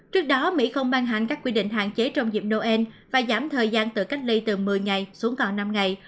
trước đó mỹ không ban hành các quy định hạn chế trong dịp noel và giảm thời gian tự cách ly từ một mươi ngày xuống còn năm ngày